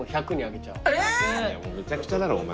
めちゃくちゃだろお前。